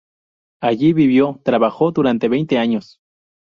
Allí vivió trabajó durante veinte años.